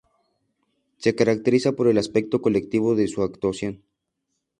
Se caracteriza por el aspecto colectivo de su actuación.